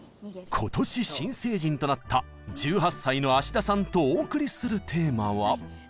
今年新成人となった１８歳の田さんとお送りするテーマは。